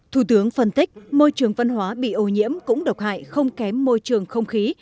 thủ tướng phân tích môi trường văn hóa bị ô nhiễm cũng độc hại không kém môi trường không khí